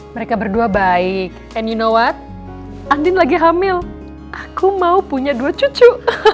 mereka berdua baik any now what andin lagi hamil aku mau punya dua cucu